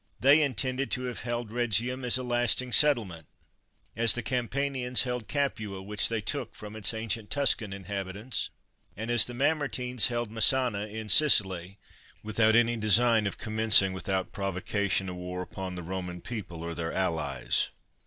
They in tended to have held Bhegium as a lasting settle ment, as the Campanians held Capua, which they took from its ancient Tuscan inhabitants, and as the Mamertines held Messana in Sicily, with 26 SCIPIO AFRICANUS MAJOR out any design of commencing without provoca tion a war upon the Eoman people or their allies.